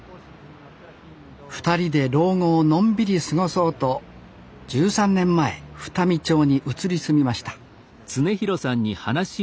２人で老後をのんびり過ごそうと１３年前双海町に移り住みました